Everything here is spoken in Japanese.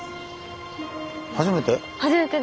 初めて？